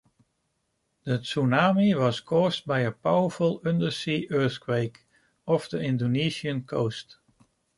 The tsunami was caused by a powerful undersea earthquake off the Indonesian coast.